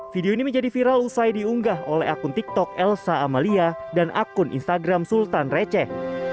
video ini menjadi viral usai diunggah oleh akun tiktok elsa amalia dan akun instagram sultan receh